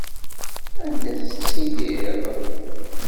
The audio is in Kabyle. Anda tettiliḍ?